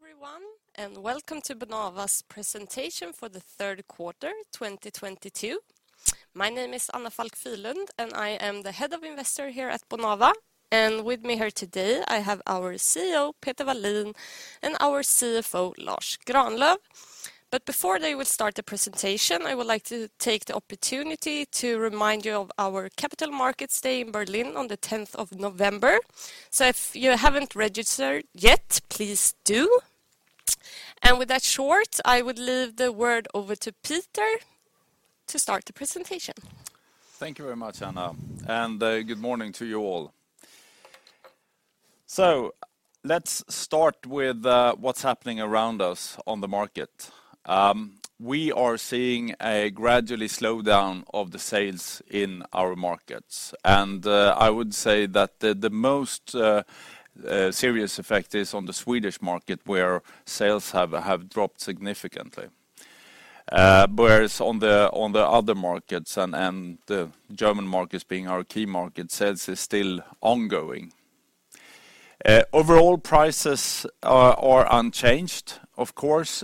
Good morning everyone, and welcome to Bonava's presentation for the third quarter 2022. My name is Anna Falck Fyhrlund, and I am the Head of Investor Relations here at Bonava. With me here today, I have our CEO, Peter Wallin, and our CFO, Lars Granlöf. Before they will start the presentation, I would like to take the opportunity to remind you of our Capital Markets Day in Berlin on the 10th of November. If you haven't registered yet, please do. With that short, I would leave the word over to Peter to start the presentation. Thank you very much, Anna, and good morning to you all. Let's start with what's happening around us on the market. We are seeing a gradual slowdown of the sales in our markets. I would say that the most serious effect is on the Swedish market where sales have dropped significantly. Whereas on the other markets and the German markets being our key market, sales is still ongoing. Overall prices are unchanged. Of course,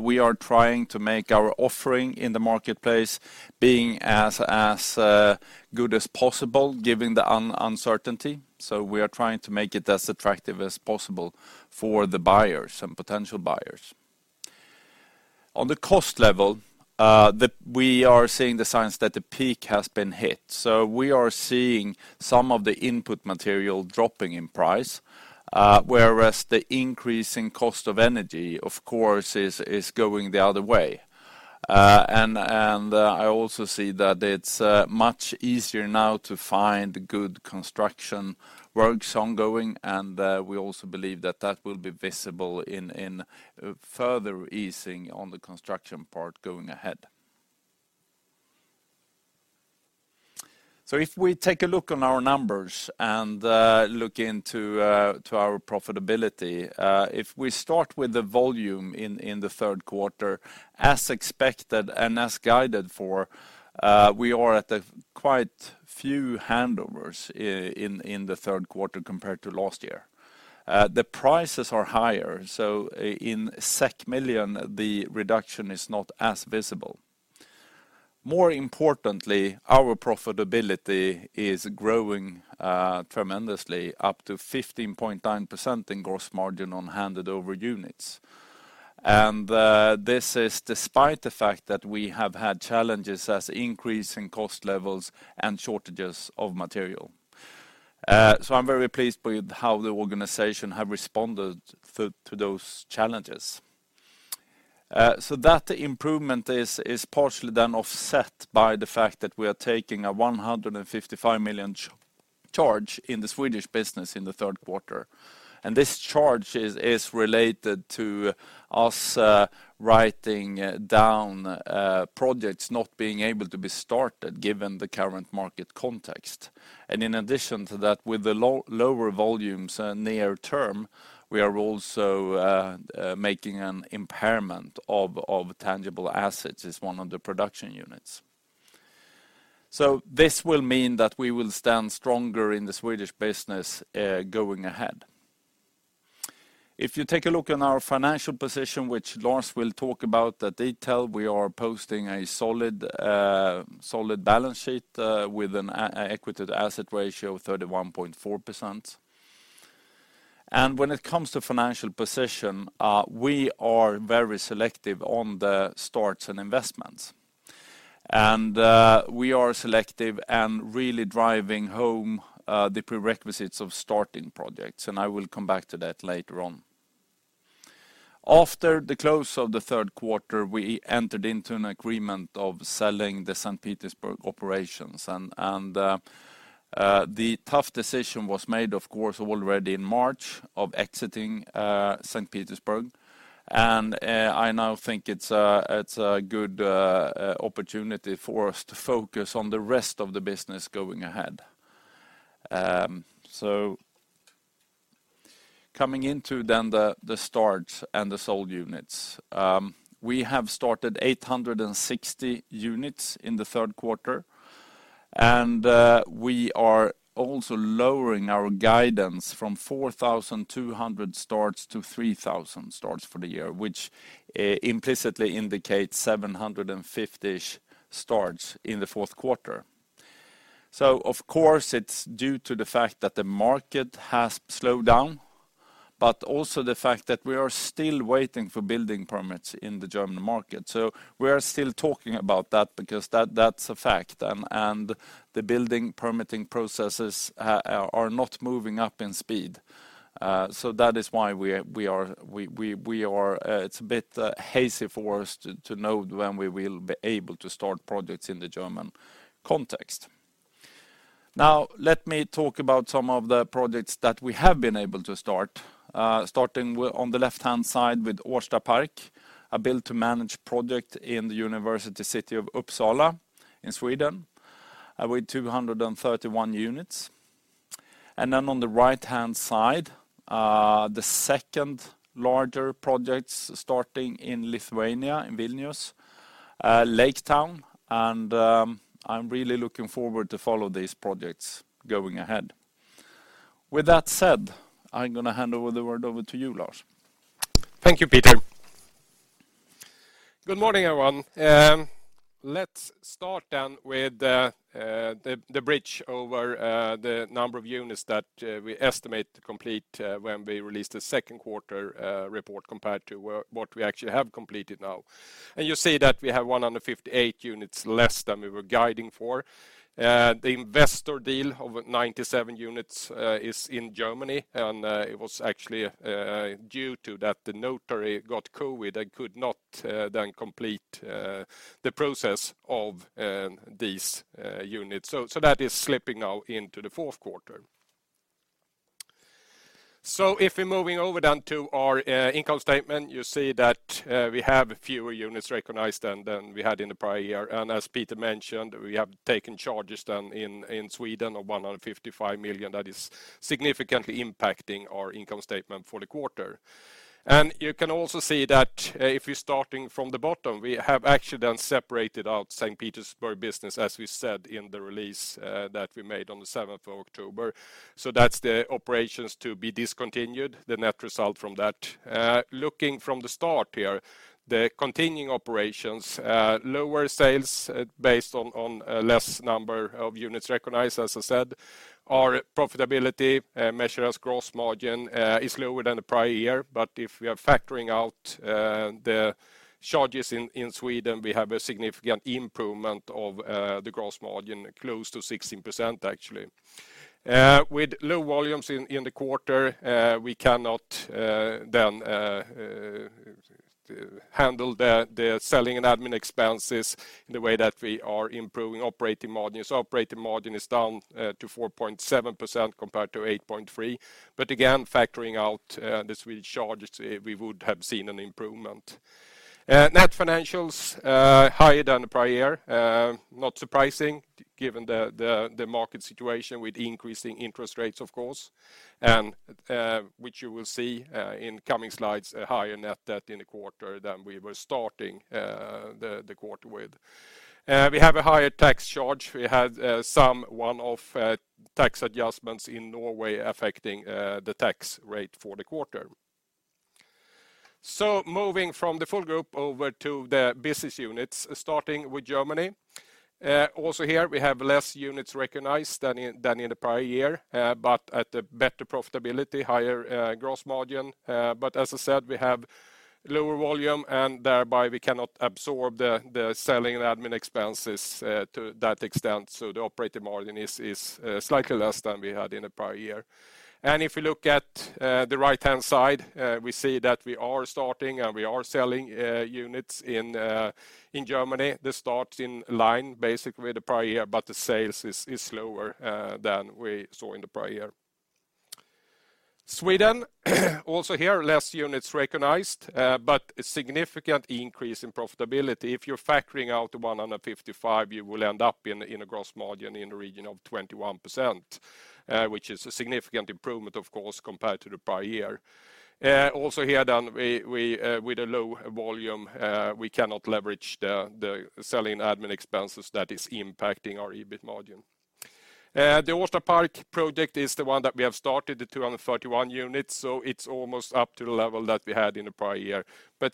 we are trying to make our offering in the marketplace being as good as possible given the uncertainty. We are trying to make it as attractive as possible for the buyers and potential buyers. On the cost level, we are seeing the signs that the peak has been hit. We are seeing some of the input material dropping in price, whereas the increase in cost of energy, of course, is going the other way. I also see that it's much easier now to find good construction workers. We also believe that will be visible in further easing on the construction part going ahead. If we take a look at our numbers and look into our profitability, if we start with the volume in the third quarter, as expected and as guided for, we are at quite a few handovers in the third quarter compared to last year. The prices are higher, so in million, the reduction is not as visible. More importantly, our profitability is growing tremendously up to 15.9% in gross margin on handed over units. This is despite the fact that we have had challenges such as an increase in cost levels and shortages of material. I'm very pleased with how the organization have responded to those challenges. That improvement is partially then offset by the fact that we are taking a 155 million charge in the Swedish business in the third quarter. This charge is related to us writing down projects not being able to be started given the current market context. In addition to that, with the lower volumes near term, we are also making an impairment of tangible assets in one of the production units. This will mean that we will stand stronger in the Swedish business going ahead. If you take a look at our financial position, which Lars will talk about in detail, we are posting a solid balance sheet with an equity to asset ratio 31.4%. When it comes to financial position, we are very selective on the starts and investments. We are selective and really driving home the prerequisites of starting projects, and I will come back to that later on. After the close of the third quarter, we entered into an agreement to sell the St. Petersburg operations. The tough decision was made, of course, already in March to exit St. Petersburg. I now think it's a good opportunity for us to focus on the rest of the business going ahead. Coming into the starts and the sold units. We have started 860 units in the third quarter. We are also lowering our guidance from 4,200 starts to 3,000 starts for the year, which implicitly indicates 750-ish starts in the fourth quarter. Of course, it's due to the fact that the market has slowed down, but also the fact that we are still waiting for building permits in the German market. We are still talking about that because that's a fact. The building permitting processes are not moving up in speed. That is why we are, it's a bit hazy for us to know when we will be able to start projects in the German context. Now let me talk about some of the projects that we have been able to start. Starting with on the left-hand side with Årsta Park, a build-to-manage project in the university city of Uppsala in Sweden, with 231 units. Then on the right-hand side, the second larger projects starting in Lithuania, in Vilnius, Lake Town. I'm really looking forward to follow these projects going ahead. With that said, I'm gonna hand over the word to you, Lars. Thank you, Peter. Good morning, everyone. Let's start with the bridge over the number of units that we estimate to complete when we released the second quarter report compared to what we actually have completed now. You see that we have 158 units less than we were guiding for. The investor deal of 97 units is in Germany, and it was actually due to that the notary got COVID and could not then complete the process of these units. That is slipping now into the fourth quarter. If we're moving over to our income statement, you see that we have fewer units recognized than we had in the prior year. As Peter mentioned, we have taken charges then in Sweden of 155 million. That is significantly impacting our income statement for the quarter. You can also see that, if we're starting from the bottom, we have actually then separated out St. Petersburg business, as we said in the release, that we made on the 7th of October. That's the operations to be discontinued, the net result from that. Looking from the start here, the continuing operations, lower sales, based on less number of units recognized, as I said. Our profitability, measured as gross margin, is lower than the prior year. If we are factoring out, the charges in Sweden, we have a significant improvement of the gross margin, close to 16% actually. With low volumes in the quarter, we cannot then handle the selling and admin expenses in the way that we are improving operating margin. Operating margin is down to 4.7% compared to 8.3%. But again, factoring out the Swedish charges, we would have seen an improvement. Net financials higher than the prior year. Not surprising given the market situation with increasing interest rates, of course, and which you will see in coming slides, a higher net debt in the quarter than we were starting the quarter with. We have a higher tax charge. We had some one-off tax adjustments in Norway affecting the tax rate for the quarter. Moving from the full group over to the business units, starting with Germany. Also here we have less units recognized than in the prior year, but at a better profitability, higher gross margin. But as I said, we have lower volume, and thereby we cannot absorb the selling and admin expenses to that extent. The operating margin is slightly less than we had in the prior year. If you look at the right-hand side, we see that we are starting and we are selling units in Germany. The starts in line basically the prior year, but the sales is slower than we saw in the prior year. Sweden, also here less units recognized, but a significant increase in profitability. If you're factoring out the 155 million, you will end up in a gross margin in the region of 21%, which is a significant improvement of course compared to the prior year. Also, here with the low volume, we cannot leverage the selling and admin expenses that is impacting our EBIT margin. The Årsta Park project is the one that we have started, the 231 units. It's almost up to the level that we had in the prior year.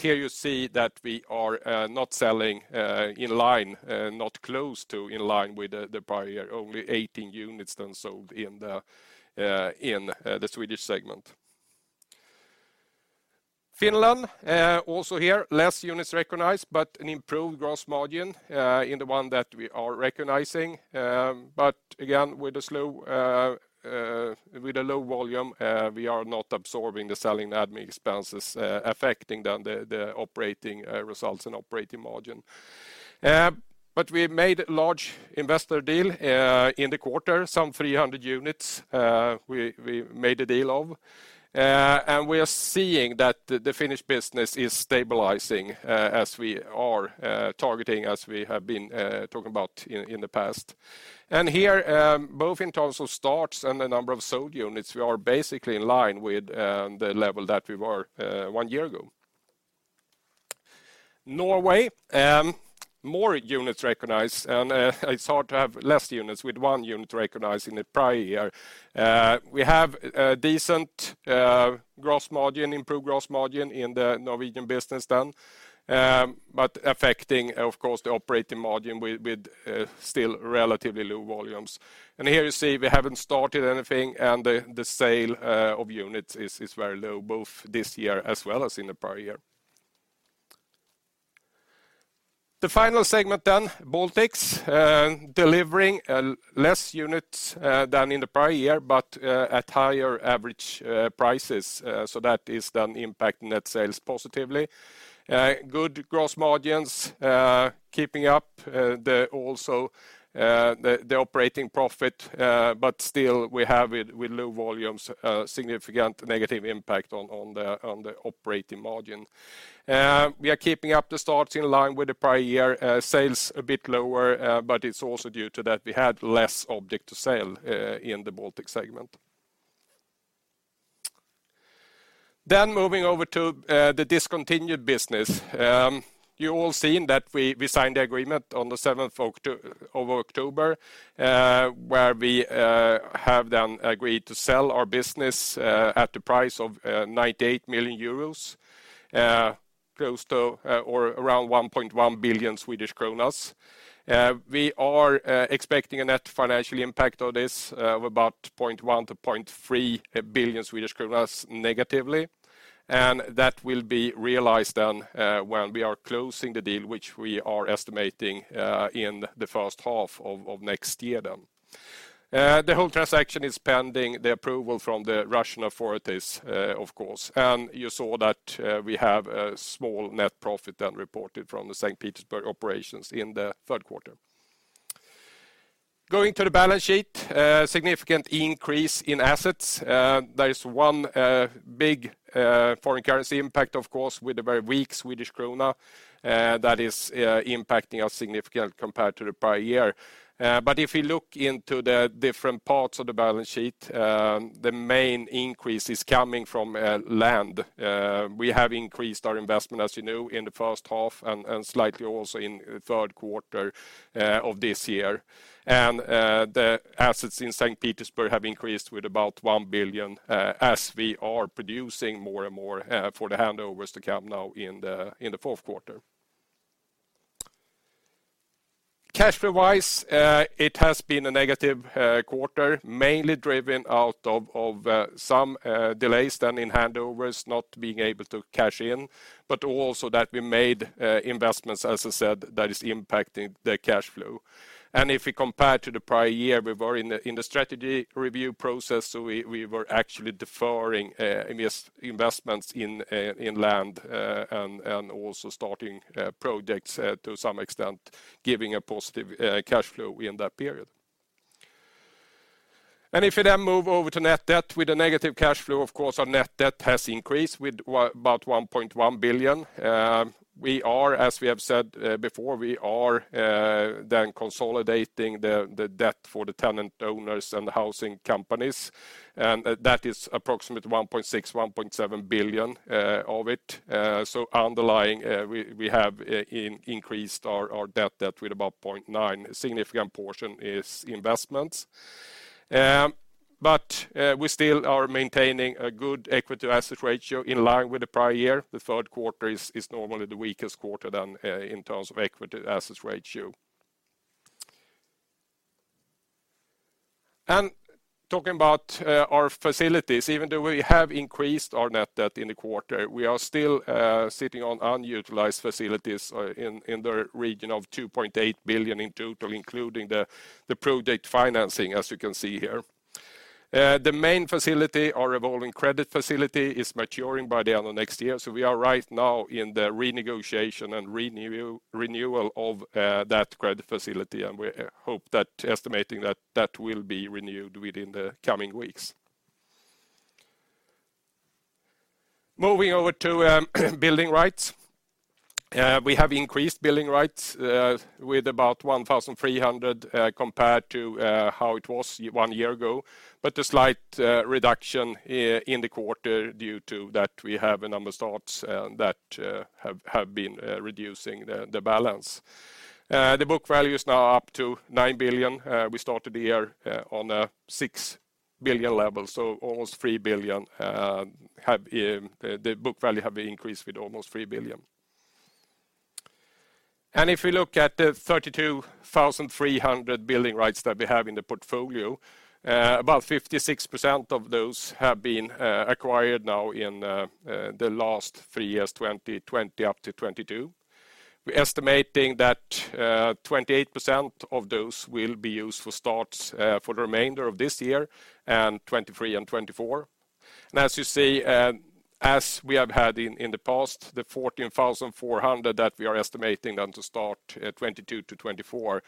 Here you see that we are not selling in line, not close to in line with the prior year. Only 18 units then sold in the Swedish segment. Finland, also here, less units recognized, but an improved gross margin in the one that we are recognizing. But again, with the low volume, we are not absorbing the selling & admin expenses, affecting the operating results and operating margin. But we made a large investor deal in the quarter. Some 300 units we made a deal of. We are seeing that the Finnish business is stabilizing as we are targeting, as we have been talking about in the past. Here, both in terms of starts and the number of sold units, we are basically in line with the level that we were 1 year ago. Norway, more units recognized. It's hard to have less units with 1 unit recognized in the prior year. We have a decent gross margin, improved gross margin in the Norwegian business then, but affecting of course the operating margin with still relatively low volumes. Here you see we haven't started anything, and the sale of units is very low, both this year as well as in the prior year. The final segment then, Baltics, delivering less units than in the prior year but at higher average prices. That is then impacting net sales positively. Good gross margins keeping up also the operating profit. Still we have it with low volumes, a significant negative impact on the operating margin. We are keeping up the starts in line with the prior year. Sales a bit lower, but it's also due to that we had less objects to sell in the Baltic segment. Moving over to the discontinued business. You all seen that we signed the agreement on the 7th of October, where we have then agreed to sell our business at the price of 98 million euros, close to or around 1.1 billion Swedish kronor. We are expecting a net financial impact of this of about 0.1 billion-0.3 billion Swedish kronor negatively. That will be realized then when we are closing the deal, which we are estimating in the first half of next year then. The whole transaction is pending the approval from the Russian authorities, of course. You saw that we have a small net profit then reported from the St. Petersburg operations in the third quarter. Going to the balance sheet, significant increase in assets. There is one big foreign currency impact, of course, with the very weak Swedish Krona that is impacting us significantly compared to the prior year. But if you look into the different parts of the balance sheet, the main increase is coming from land. We have increased our investment, as you know, in the first half and slightly also in third quarter of this year. The assets in St. Petersburg have increased with about 1 billion, as we are producing more and more, for the handovers to come now in the fourth quarter. Cash flow-wise, it has been a negative quarter, mainly driven out of some delays then in handovers not being able to cash in. We made investments, as I said, that is impacting the cash flow. If we compare to the prior year, we were in the strategy review process. We were actually deferring investments in land and also starting projects to some extent, giving a positive cash flow in that period. If you then move over to net debt with a negative cash flow, of course, our net debt has increased with about 1.1 billion. We are, as we have said, before, we are then consolidating the debt for the tenant owners and the housing companies. That is approximately 1.6-1.7 billion of it. So underlying, we have increased our debt with about 0.9 billion. Significant portion is investments. But we still are maintaining a good equity to asset ratio in line with the prior year. The third quarter is normally the weakest quarter in terms of equity to asset ratio. Talking about our facilities, even though we have increased our net debt in the quarter, we are still sitting on unutilized facilities in the region of 2.8 billion in total, including the project financing, as you can see here. The main facility, our revolving credit facility, is maturing by the end of next year. We are right now in the renegotiation and renewal of that credit facility, and we hope that, estimating that that will be renewed within the coming weeks. Moving over to building rights. We have increased building rights with about 1,300 compared to how it was 1 year ago. A slight reduction in the quarter due to that we have a number of starts that have been reducing the balance. The book value is now up to 9 billion. We started the year on a 6 billion level, so almost 3 billion, the book value has increased with almost 3 billion. If you look at the 32,300 building rights that we have in the portfolio, about 56% of those have been acquired now in the last 3 years, 2020 up to 2022. We're estimating that 28% of those will be used for starts for the remainder of this year and 2023 and 2024. As you see, as we have had in the past, the 14,400 that we are estimating them to start 2022 to 2024,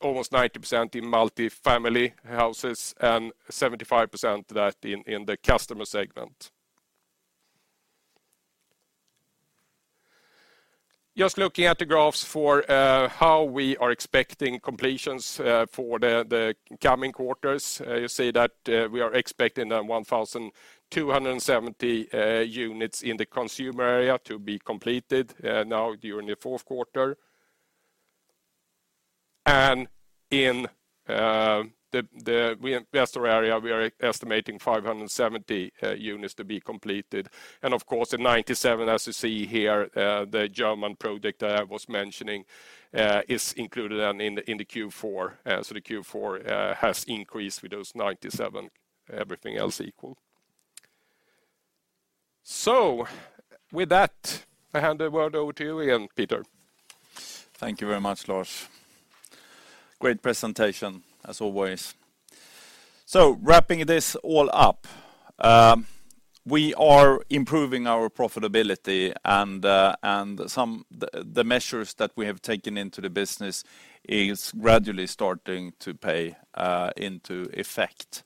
almost 90% in multifamily houses and 75% that in the customer segment. Just looking at the graphs for how we are expecting completions for the coming quarters. You see that we are expecting 1,270 units in the consumer area to be completed now during the fourth quarter. In the investor area, we are estimating 570 units to be completed. Of course, in 97, as you see here, the German project I was mentioning is included in the Q4. The Q4 has increased with those 97, everything else equal. With that, I hand the word over to you again, Peter. Thank you very much, Lars. Great presentation, as always. Wrapping this all up, we are improving our profitability and the measures that we have taken into the business is gradually starting to pay into effect.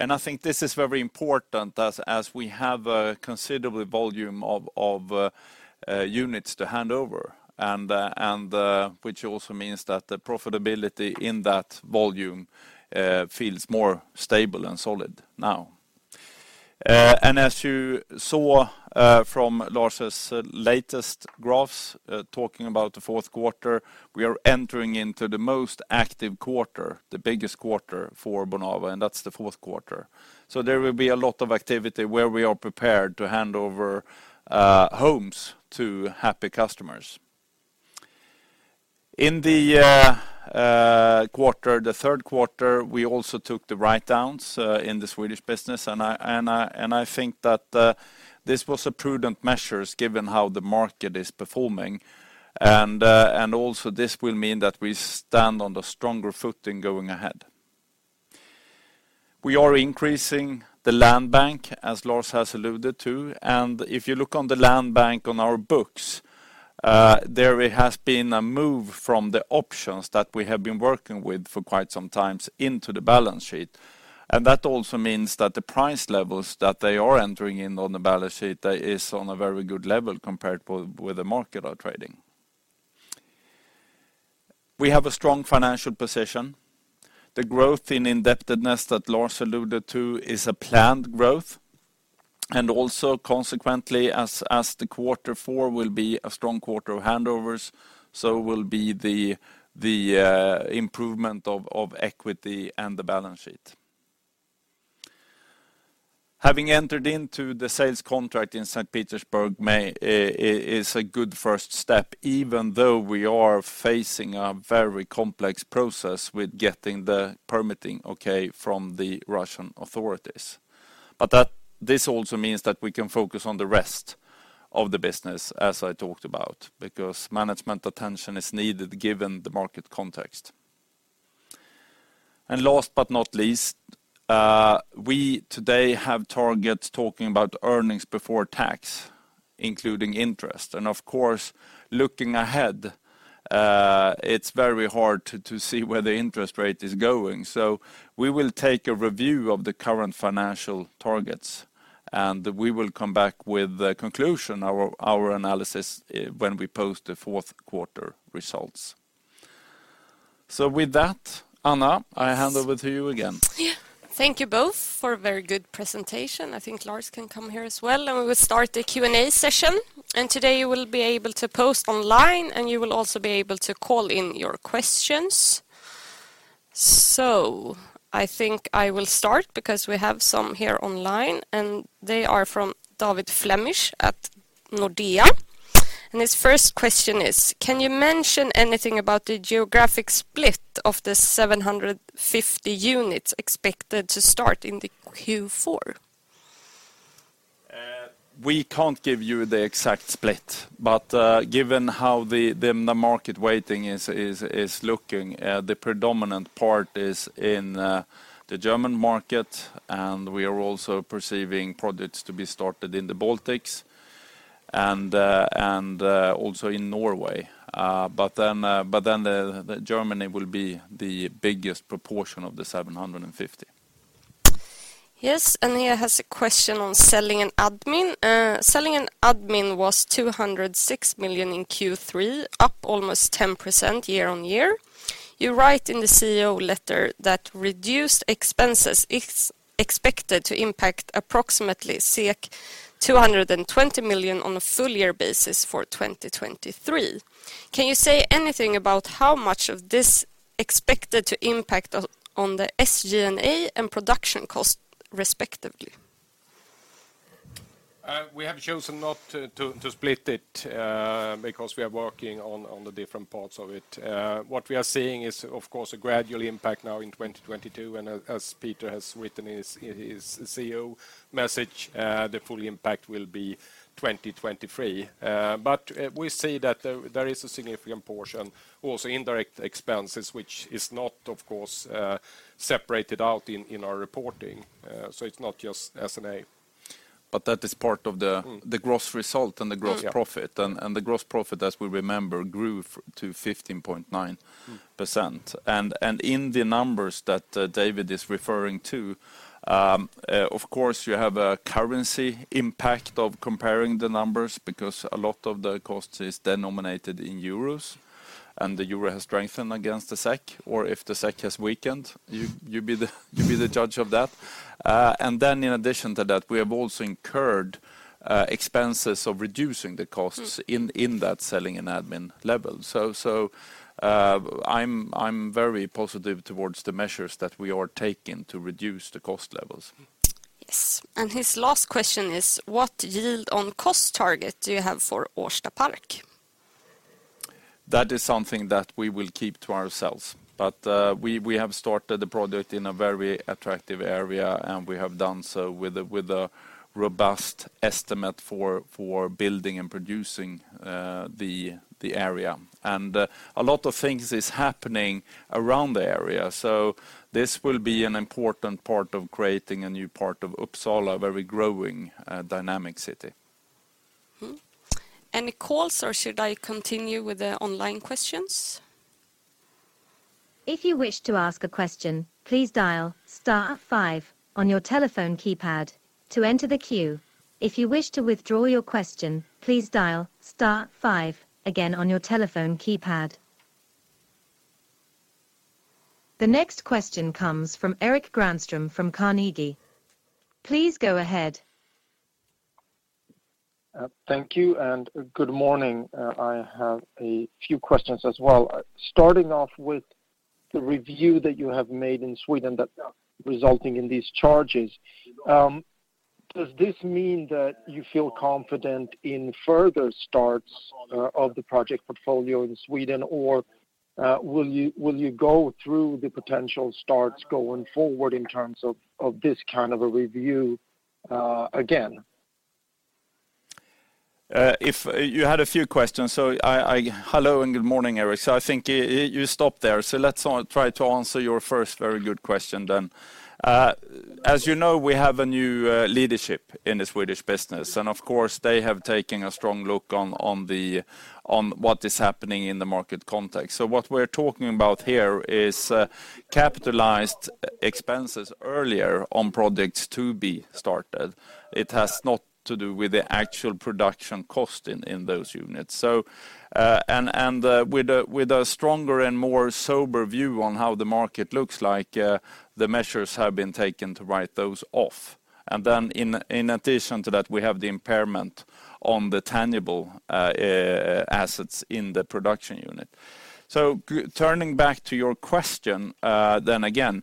I think this is very important as we have a considerable volume of units to hand over and which also means that the profitability in that volume feels more stable and solid now. As you saw from Lars' latest graphs talking about the fourth quarter, we are entering into the most active quarter, the biggest quarter for Bonava, and that's the fourth quarter. There will be a lot of activity where we are prepared to hand over homes to happy customers. In the third quarter, we also took the write-downs in the Swedish business, and I think that this was a prudent measures given how the market is performing. Also this will mean that we stand on the stronger footing going ahead. We are increasing the land bank, as Lars has alluded to. If you look on the land bank on our books, there has been a move from the options that we have been working with for quite some times into the balance sheet. That also means that the price levels that they are entering in on the balance sheet, that is on a very good level compared with the market are trading. We have a strong financial position. The growth in indebtedness that Lars alluded to is a planned growth. Also consequently, the quarter four will be a strong quarter of handovers, so will be the improvement of equity and the balance sheet. Having entered into the sales contract in St. Petersburg is a good first step even though we are facing a very complex process with getting the permitting from the Russian authorities. This also means that we can focus on the rest of the business as I talked about, because management attention is needed given the market context. Last but not least, we today have targets talking about earnings before tax, including interest. Of course, looking ahead, it's very hard to see where the interest rate is going. We will take a review of the current financial targets, and we will come back with the conclusion of our analysis when we post the fourth quarter results. With that, Anna, I hand over to you again. Yeah. Thank you both for a very good presentation. I think Lars can come here as well, and we will start the Q and A session. Today you will be able to post online, and you will also be able to call in your questions. I think I will start because we have some here online, and they are from David Flemmich at Nordea. His first question is, Can you mention anything about the geographic split of the 750 units expected to start in the Q4? We can't give you the exact split, but given how the market weighting is looking, the predominant part is in the German market, and we are also perceiving projects to be started in the Baltics and also in Norway. Germany will be the biggest proportion of the 750. Yes, and he has a question on selling and admin. Selling and admin was 206 million in Q3, up almost 10% year-on-year. You write in the CEO letter that reduced expenses is expected to impact approximately 220 million on a full year basis for 2023. Can you say anything about how much of this expected to impact on the SG&A and production cost respectively? We have chosen not to split it because we are working on the different parts of it. What we are seeing is of course a gradual impact now in 2022. As Peter has written in his CEO message, the full impact will be 2023. We see that there is a significant portion, also indirect expenses, which is not, of course, separated out in our reporting. It's not just S&A. That is part of the gross result and the gross profit. The gross profit, as we remember, grew to 15.9%. In the numbers that David is referring to, of course, you have a currency impact of comparing the numbers because a lot of the cost is denominated in Euros, and the Euro has strengthened against the SEK, or if the SEK has weakened, you be the judge of that. Then in addition to that, we have also incurred expenses of reducing the costs. Mm... In that selling and admin level. I'm very positive toward the measures that we are taking to reduce the cost levels. Yes. His last question is, what yield on cost target do you have for Årsta Park? That is something that we will keep to ourselves. We have started the project in a very attractive area, and we have done so with a robust estimate for building and producing the area. A lot of things is happening around the area. This will be an important part of creating a new part of Uppsala, very growing, dynamic city. Any calls, or should I continue with the online questions? If you wish to ask a question, please dial star 5 on your telephone keypad to enter the queue. If you wish to withdraw your question, please dial star 5 again on your telephone keypad. The next question comes from Erik Granström from Carnegie. Please go ahead. Thank you and good morning. I have a few questions as well. Starting off with the review that you have made in Sweden that are resulting in these charges. Does this mean that you feel confident in further starts of the project portfolio in Sweden? Or, will you go through the potential starts going forward in terms of this kind of a review again? Hello and good morning, Erik. I think you stopped there. Let's answer your first very good question then. As you know, we have a new leadership in the Swedish business, and of course, they have taken a strong look at what is happening in the market context. What we're talking about here is capitalized expenses earlier on projects to be started. It has nothing to do with the actual production cost in those units. With a stronger and more sober view on how the market looks like, the measures have been taken to write those off. In addition to that, we have the impairment on the tangible assets in the production unit. Turning back to your question, then again,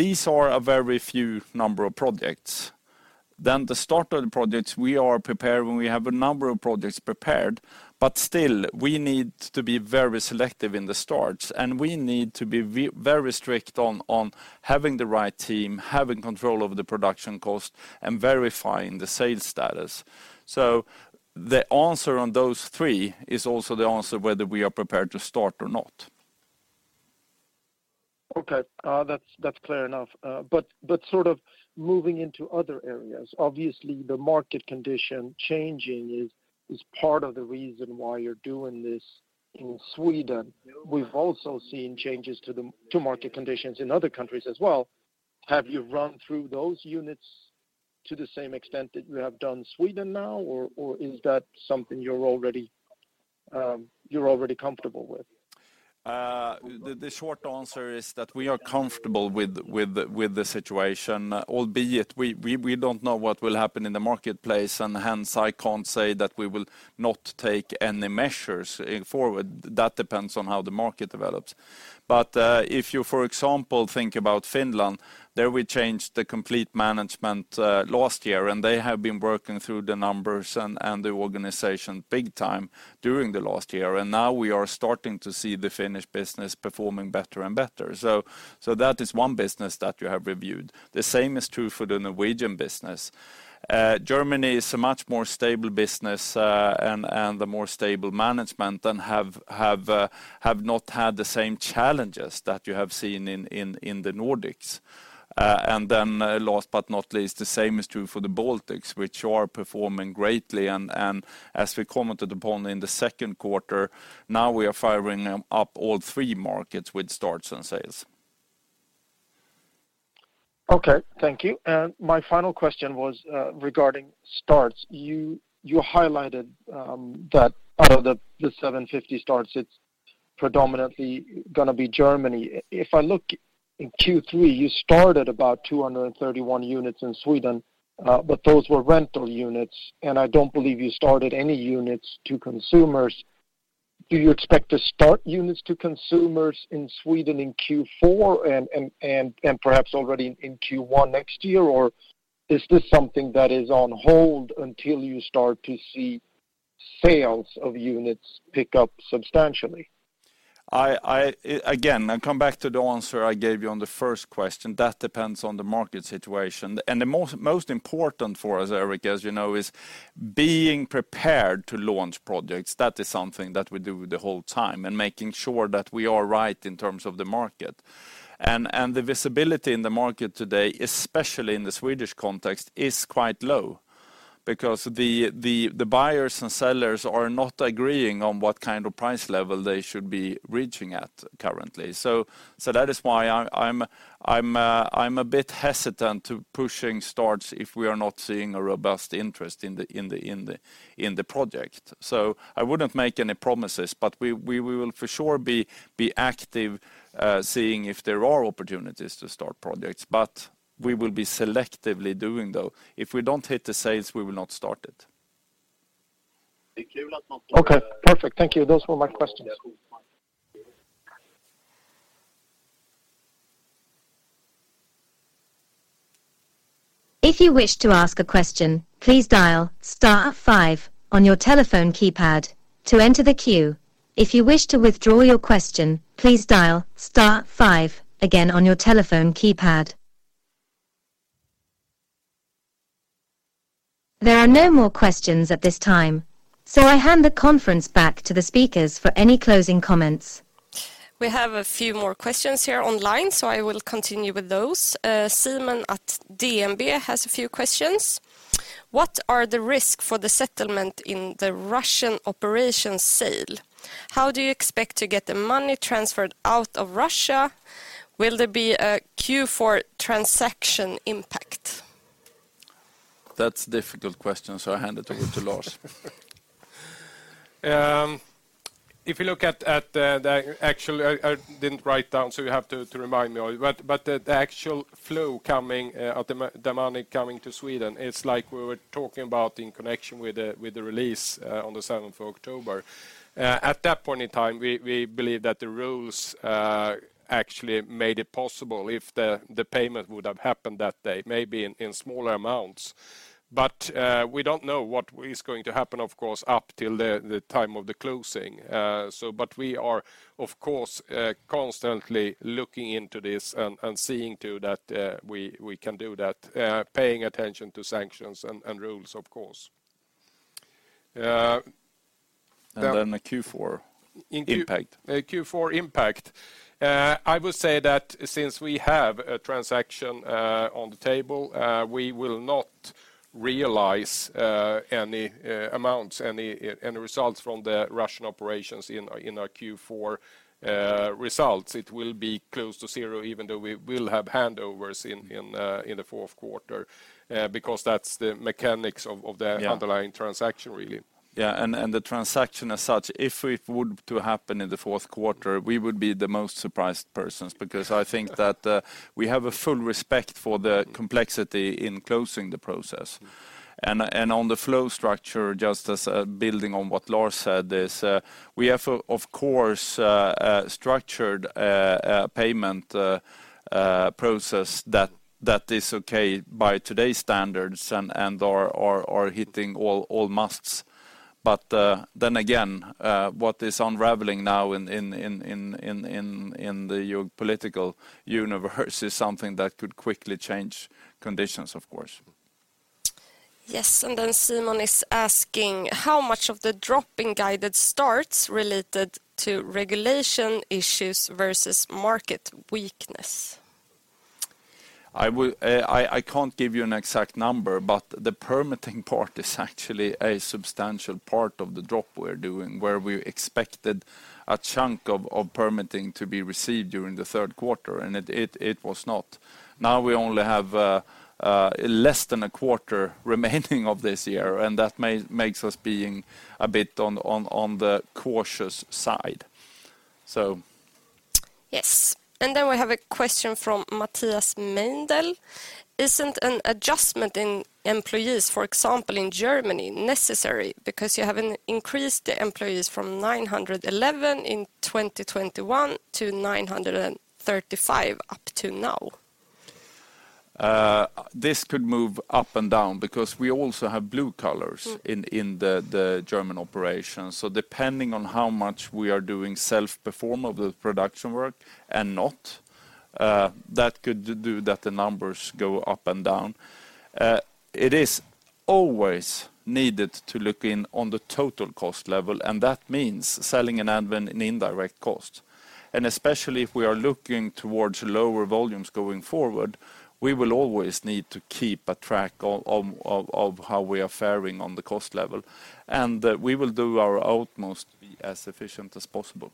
these are a very few number of projects. The start of the projects, we are prepared when we have a number of projects prepared, but still we need to be very selective in the starts, and we need to be very strict on having the right team, having control over the production cost, and verifying the sales status. The answer on those 3 is also the answer whether we are prepared to start or not. Okay. That's clear enough. Sort of moving into other areas. Obviously, the market condition changing is part of the reason why you're doing this in Sweden. We've also seen changes to market conditions in other countries as well. Have you run through those units to the same extent that you have done Sweden now, or is that something you're already comfortable with? The short answer is that we are comfortable with the situation, albeit we don't know what will happen in the marketplace, and hence I can't say that we will not take any measures forward. That depends on how the market develops. If you, for example, think about Finland, there we changed the complete management last year, and they have been working through the numbers and the organization big time during the last year. Now we are starting to see the Finnish business performing better and better. That is one business that we have reviewed. The same is true for the Norwegian business. Germany is a much more stable business, and a more stable management and have not had the same challenges that you have seen in the Nordics. Last but not least, the same is true for the Baltics, which are performing greatly. As we commented upon in the second quarter, now we are firing up all 3 markets with starts and sales. Okay, thank you. My final question was regarding starts. You highlighted that out of the 750 starts, it's predominantly gonna be Germany. If I look in Q3, you started about 231 units in Sweden, but those were rental units, and I don't believe you started any units to consumers. Do you expect to start units to consumers in Sweden in Q4 and perhaps already in Q1 next year? Or is this something that is on hold until you start to see sales of units pick up substantially? Again, I come back to the answer I gave you on the first question. That depends on the market situation. The most important for us, Erik, as you know, is being prepared to launch projects. That is something that we do the whole time and making sure that we are right in terms of the market. The visibility in the market today, especially in the Swedish context, is quite low because the buyers and sellers are not agreeing on what kind of price level they should be reaching at currently. That is why I'm a bit hesitant to pushing starts if we are not seeing a robust interest in the project. I wouldn't make any promises, but we will for sure be active seeing if there are opportunities to start projects. But we will be selectively doing, though. If we don't hit the sales, we will not start it. Okay, perfect. Thank you. Those were my questions. If you wish to ask a question, please dial star 5 on your telephone keypad to enter the queue. If you wish to withdraw your question, please dial star 5 again on your telephone keypad. There are no more questions at this time, so I hand the conference back to the speakers for any closing comments. We have a few more questions here online, so I will continue with those. Simon at DNB has a few questions. What are the risk for the settlement in the Russian operations sale? How do you expect to get the money transferred out of Russia? Will there be a Q4 transaction impact? That's difficult question, so I hand it over to Lars. If you look at the actual inflow of the money coming to Sweden, it's like we were talking about in connection with the release on the 7th of October. At that point in time, we believe that the rules actually made it possible if the payment would have happened that day, maybe in smaller amounts. We don't know what is going to happen, of course, up till the time of the closing. We are, of course, constantly looking into this and seeing to that we can do that, paying attention to sanctions and rules, of course. The Q4 impact....... Q4 impact. I would say that since we have a transaction on the table, we will not realize any results from the Russian operations in our Q4 results. It will be close to zero, even though we will have handovers in the fourth quarter, because that's the mechanics of the Yeah... Underlying transaction really. Yeah, the transaction as such, if it would to happen in the fourth quarter, we would be the most surprised persons because I think that we have a full respect for the complexity in closing the process. On the flow structure, just as building on what Lars said, we have of course a structured payment process that is okay by today's standards and or hitting all musts. Then again, what is unraveling now in the geopolitical universe is something that could quickly change conditions, of course. Yes, Simon is asking, "How much of the drop in guided starts related to regulation issues versus market weakness? I can't give you an exact number, but the permitting part is actually a substantial part of the drop we're doing, where we expected a chunk of permitting to be received during the third quarter, and it was not. Now we only have less than a quarter remaining of this year, and that makes us being a bit on the cautious side. Yes. We have a question from Matthias Mendel, "Isn't an adjustment in employees, for example, in Germany, necessary? Because you have an increase in employees from 911 in 2021 to 935 up to now. This could move up and down because we also have blue collars. Mm. In the German operations. Depending on how much we are doing self-perform of the production work and not, that could do that the numbers go up and down. It is always needed to look in on the total cost level, and that means selling & admin and indirect cost. Especially if we are looking towards lower volumes going forward, we will always need to keep track of how we are fairing on the cost level. We will do our utmost to be as efficient as possible.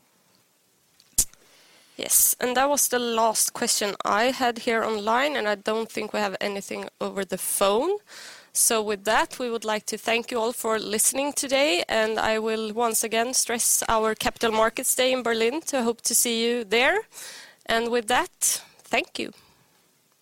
Yes. That was the last question I had here online, and I don't think we have anything over the phone. With that, we would like to thank you all for listening today, and I will once again stress our Capital Markets Day in Berlin. Hope to see you there. With that, thank you.